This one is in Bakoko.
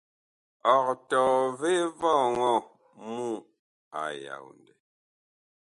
Ɔg tɔɔ vee vɔŋɔ mu a yaodɛ ?́.